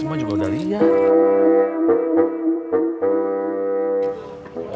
semua juga udah lihat